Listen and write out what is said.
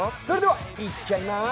それでは、行っちゃいま